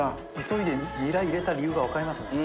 急いでニラ入れた理由がわかりますね。